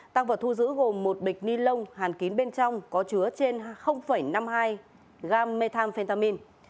tăng vật thu giữ gồm một bịch ni lông hàn kín bên trong có chứa trên năm mươi hai g methamphetamin